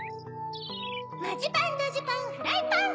マジパンドジパンフライパン。